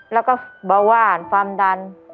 แล้วก็เบาว่านความดัน